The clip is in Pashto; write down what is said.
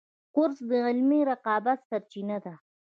کورس د علمي رقابت سرچینه ده.